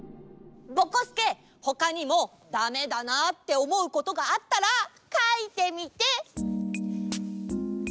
ぼこすけほかにもだめだなっておもうことがあったらかいてみて！